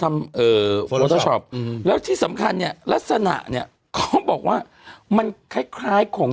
ทำเอ่อแล้วที่สำคัญเนี้ยลักษณะเนี้ยเขาบอกว่ามันคล้ายคล้ายของ